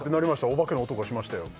お化けの音がしましたよ